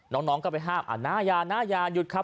น้องกันไปห้ามอ่าน่าอญาหยุดครับ